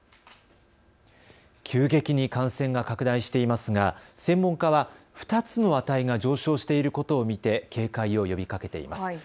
急激に感染が拡大していますが専門家は２つの値が上昇していることを見て警戒を呼びかけています。